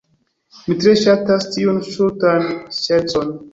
Mi tre ŝatas tiun stultan ŝercon.